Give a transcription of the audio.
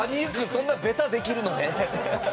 そんなにベタできるのね。